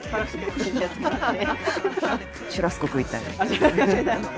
シュラスコ食いたい。